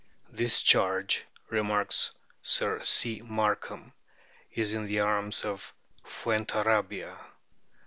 " This charge," remarks Sir C. Markham, " is in the arms of Fuentarrabia.